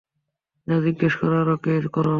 যা জিজ্ঞেস করার ওকে কর।